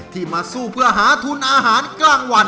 มาสู้เพื่อหาทุนอาหารกลางวัน